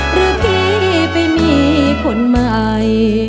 หรือพี่ไปมีคนใหม่